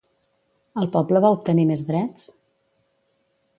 El poble va obtenir més drets?